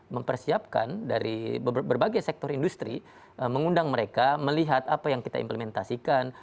mempersiapkan dari berbagai sektor industri mengundang mereka melihat apa yang kita implementasikan